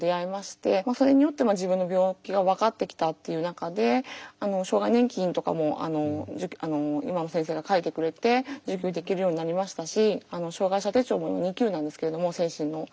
それによって自分の病気が分かってきたっていう中で障害年金とかも今の先生が書いてくれて受給できるようになりましたし障害者手帳２級なんですけども精神の。